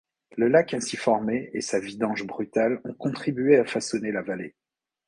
Le lac ainsi formé et sa vidange brutale ont contribué à façonner la vallée.